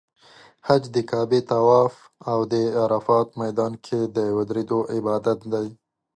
حج د کعبې طواف او د عرفات میدان کې د ودریدو عبادت دی.